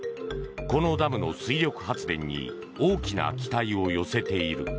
このダムの水力発電に大きな期待を寄せている。